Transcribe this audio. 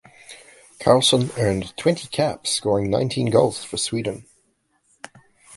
Carlsson earned twenty caps, scoring nineteen goals, for Sweden.